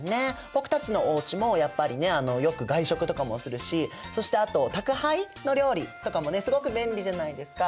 僕たちのおうちもやっぱりねよく外食とかもするしそしてあと宅配の料理とかもねすごく便利じゃないですか。